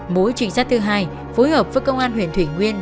mỗi trình sát thứ hai phối hợp với công an huyền thủy nguyên